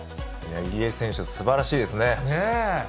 入江選手、すばらしいですね。